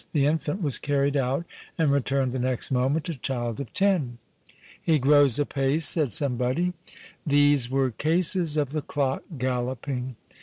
The infant was carried out and returned the next moment a child of ten. " He grows apace," said somebody. 280 TIME AND THE FILM These were cases of the clock galloping.